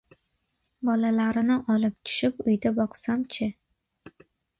Bolalarini olib tushib uyda boqsam-chi!